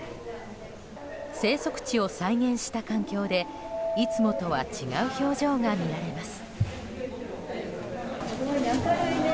生息地を再現した環境でいつもとは違う表情が見られます。